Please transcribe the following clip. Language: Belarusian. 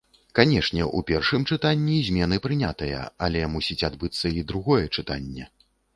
Канешне, у першым чытанні змены прынятыя, але мусіць адбыцца і другое чытанне.